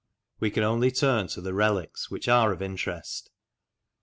We can only turn to the relics, which are of interest.